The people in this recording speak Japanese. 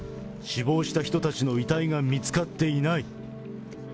死亡した人たちの遺体が見つかっていない。